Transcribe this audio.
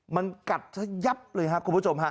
มันกัดซะยับเลยครับคุณผู้ชมฮะ